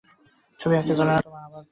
ছবি আঁকতে জানো না, তোমার আবার প্রেরণা!